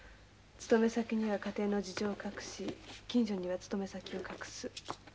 勤め先には家庭の事情を隠し近所には勤め先を隠す。